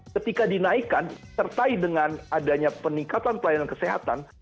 ketika dinaikkan sertai dengan adanya peningkatan pelayanan kesehatan